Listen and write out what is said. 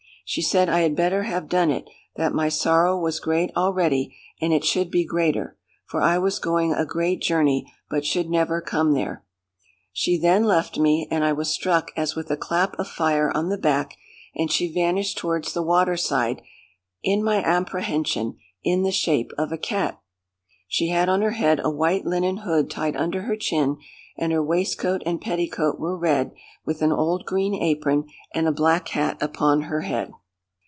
She said I had better have done it; that my sorrow was great already, and it should be greater; for I was going a great journey, but should never come there. She then left me; and I was struck as with a clap of fire on the back, and she vanished towards the water side, in my apprehension, in the shape of a cat. She had on her head a white linen hood tied under her chin, and her waistcoat and petticoat were red, with an old green apron, and a black hat upon her head."